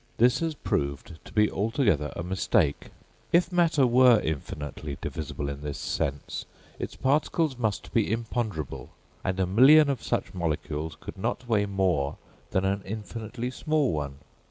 This has proved to be altogether a mistake. If matter were infinitely divisible in this sense, its particles must be imponderable, and a million of such molecules could not weigh more than an infinitely small one.